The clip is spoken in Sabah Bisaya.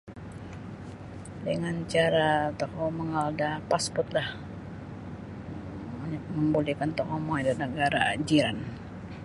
Dangan cara tokou mangaal da passportlah membolehkan tokou mongoi da nagara jiran.